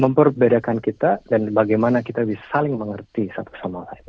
memperbedakan kita dan bagaimana kita bisa saling mengerti satu sama lain